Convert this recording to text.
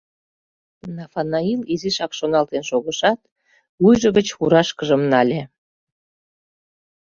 Нафанаил изишак шоналтен шогышат, вуйжо гыч фуражкыжым нале.